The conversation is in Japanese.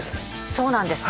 そうなんです。